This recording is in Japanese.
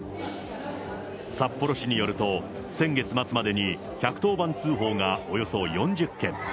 札幌市によると、先月末までに、１１０番通報がおよそ４０件。